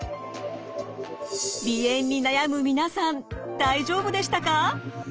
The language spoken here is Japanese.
鼻炎に悩む皆さん大丈夫でしたか？